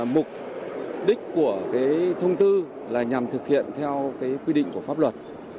mục đích của thông tư là nhằm thực hiện theo quy định của pháp luật